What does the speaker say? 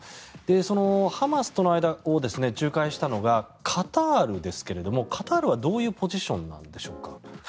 ハマスとの間を仲介したのがカタールですがカタールはどういうポジションなんでしょうか。